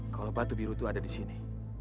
kalau batu biru itu ada di sini